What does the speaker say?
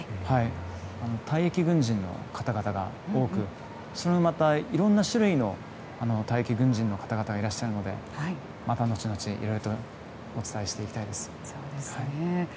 退役軍人の方々が多くいろんな種類の退役軍人の方々がいらっしゃるので、また後々いろいろお伝えしたいです。